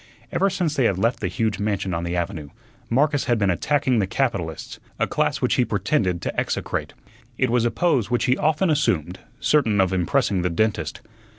Ever since they had left the huge mansion on the avenue, Marcus had been attacking the capitalists, a class which he pretended to execrate. It was a pose which he often assumed, certain of impressing the dentist.